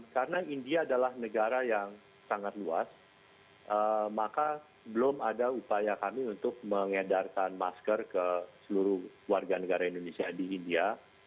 karena india adalah negara yang sangat luas maka belum ada upaya kami untuk mengedarkan masker ke seluruh warga negara indonesia di india